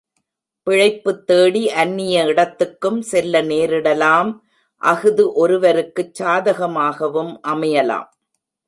பிழைப்புத் தேடி அந்நிய இடத்துக்கும் செல்ல நேரிடலாம் அஃது ஒருவருக்குச் சாதகமாகவும் அமையலாம்.